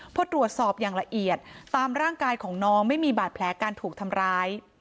พอตรวจสอบอย่างละเอียดตามร่างกายของน้องไม่มีบาดแผลการถูกทำร้าย